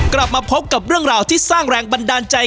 กลับมาพบกับเรื่องราวที่สร้างแรงบันดาลใจ